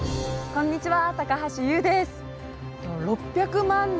こんにちは。